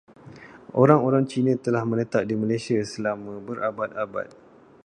Orang-orang Cina telah menetap di Malaysia selama berabad-abad.